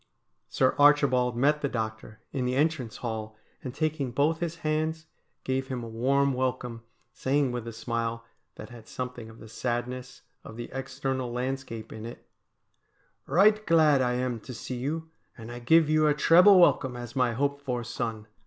Sir Archibald met the doctor in the entrance hall, and, taking both his hands, gave him a warm welcome, saying with a smile that had something of the sadness of the external landscape in it :' Eight glad I am to see you, and I give you a treble welcome as my hoped for son.